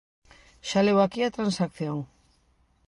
Xa leu aquí a transacción.